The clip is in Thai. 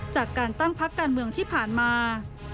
จากการตั้งพักการเมืองที่ผ่านมา